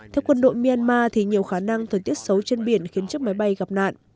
theo quân đội myanmar thì nhiều khả năng thời tiết xấu trên biển khiến chiếc máy bay gặp nạn